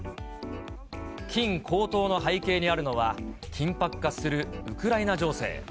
金高騰の背景にあるのは、緊迫化するウクライナ情勢。